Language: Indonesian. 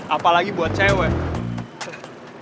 apalagi buat cewek